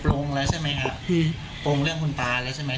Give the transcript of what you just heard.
โปร่งเรื่องคนปาร์แล้วใช่ไหม